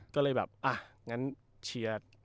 ก็เลยแบบอ่ะงั้นเชียร์